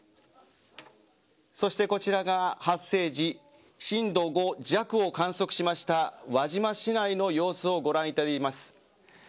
そして、こちらが発生時震度５弱を観測しました輪島市内の様子をご覧いただいています。